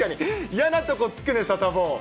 嫌なとこつくね、サタボー。